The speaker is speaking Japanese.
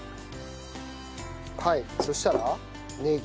はいそしたらねぎ。